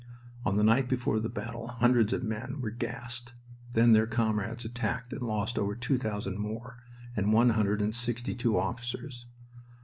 On the night before the battle hundreds of men were gassed. Then their comrades attacked and lost over two thousand more, and one hundred and sixty two officers.